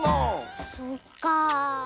そっかあ。